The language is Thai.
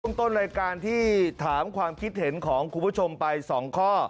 ต้นรายการที่ถามความคิดเห็นของคุณผู้ชมไป๒ข้อ